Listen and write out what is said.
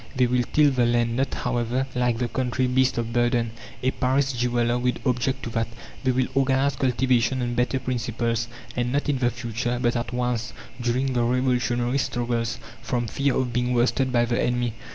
They will till the land not, however, like the country beast of burden: a Paris jeweller would object to that. They will organize cultivation on better principles; and not in the future, but at once, during the revolutionary struggles, from fear of being worsted by the enemy.